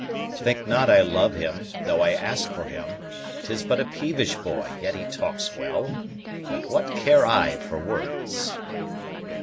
Think not I love him, though I ask for him; 'Tis but a peevish boy: yet he talks well But what care I for words?